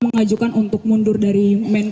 mengajukan untuk mundur dari